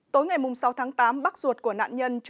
tối ngày sáu tháng tám bác ruột của nạn nhân